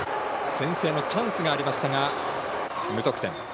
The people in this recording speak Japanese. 先制のチャンスがありましたが無得点。